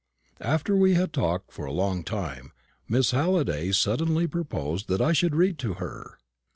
After we had talked for a long time, Miss Halliday suddenly proposed that I should read to her.